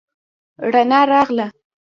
رڼا راغله.